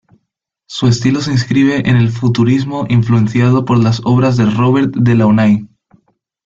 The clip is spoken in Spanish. Su estilo se inscribe en el futurismo influenciado por las obras de Robert Delaunay.